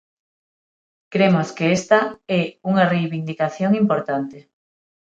Cremos que esta é unha reivindicación importante.